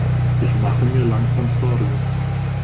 Ich mache mir langsam Sorgen.